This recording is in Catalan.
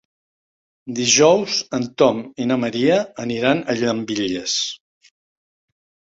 Dijous en Tom i na Maria aniran a Llambilles.